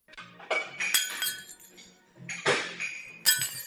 Ale musíme mít prostředky k jejímu předcházení.